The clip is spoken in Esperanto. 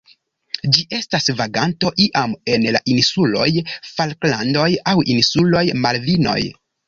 Ĝi estas vaganto iam en la insuloj Falklandoj aŭ insuloj Malvinoj.